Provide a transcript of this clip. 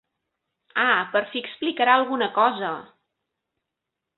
Ah, per fi explicarà alguna cosa!